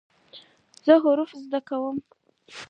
زه حروف زده کوم.